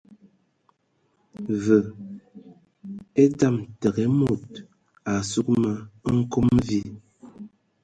Və e dzam təgə ai e mod a sug ma nkom di.